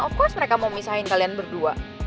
of course mereka mau misahin kalian berdua